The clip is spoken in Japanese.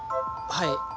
はい。